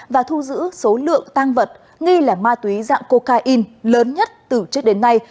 và thu giữ số lượng tăng vật nghi là ma túy dạng cocaine lớn nhất từ trước đến nay